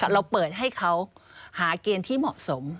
เราเปิดให้เขาหาเกณฑ์ที่เหมาะสม